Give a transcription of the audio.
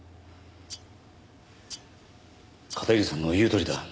片桐さんの言うとおりだ。